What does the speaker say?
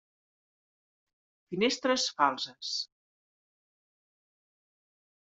Finestres falses.